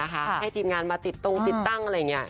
ให้ทีมงานมาติดตรงติดตั้งอะไรอย่างนี้